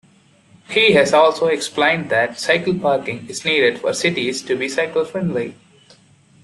He has also explained that cycle parking is needed for cities to be cycle-friendly.